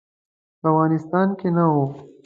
په افغانستان کې نه وو.